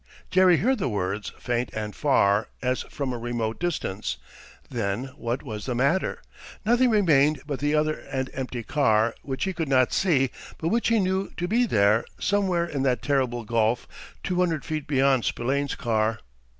Jerry heard the words, faint and far, as from a remote distance. Then what was the matter? Nothing remained but the other and empty car, which he could not see, but which he knew to be there, somewhere in that terrible gulf two hundred feet beyond Spillane's car.